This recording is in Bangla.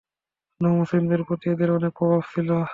নও মুসলিমদের প্রতি এদের অনেক প্রভাব ছিল।